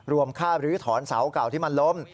ค่ารื้อถอนเสาเก่าที่มันล้ม